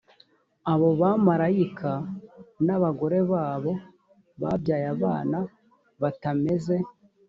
abo bamarayika n abagore babo babyaye abana batameze